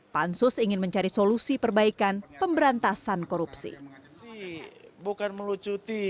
pansus ingin mencari solusi perbaikan pemberantasan korupsi